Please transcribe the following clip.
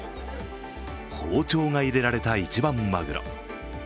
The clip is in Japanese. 包丁が入れられた一番まぐろ。